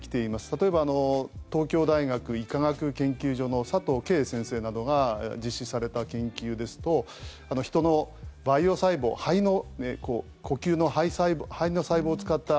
例えば、東京大学医科学研究所の佐藤先生などが実施された研究ですと人の培養細胞肺の呼吸の肺の細胞を使った